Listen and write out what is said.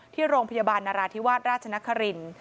ที่โรงพยาบาลนราธิวาสราชนครินทร์